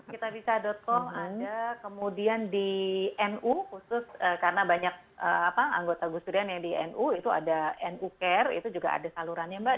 kitabisa com anda kemudian di nu khusus karena banyak anggota gus durian yang di nu itu ada nu care itu juga ada salurannya mbak